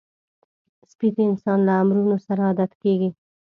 سپي د انسان له امرونو سره عادت کېږي.